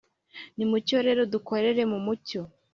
Nimucyo rero dukorere mu mucyo